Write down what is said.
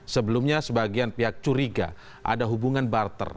sebelumnya sebagian pihak curiga ada hubungan barter